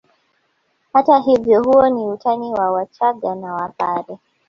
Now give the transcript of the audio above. Hata hivyo huo ni utani wa Wachaga kwa Wapare